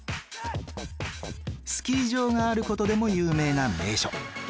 スキー場がある事でも有名な名所